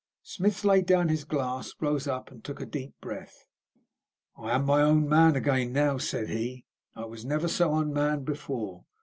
Smith laid down his glass, rose up, and took a deep breath. "I am my own man again now," said he. "I was never so unmanned before.